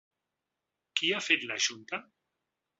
Qui ha fet la junta?